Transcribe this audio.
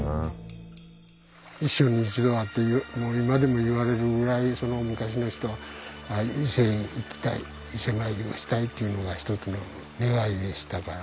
「一生に一度は」って今でも言われるぐらいその昔の人は伊勢へ行きたい伊勢参りをしたいっていうのが一つの願いでしたから。